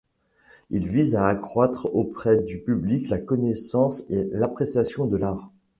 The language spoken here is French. Il vise à accroître auprès du public la connaissance et l’appréciation de l’art.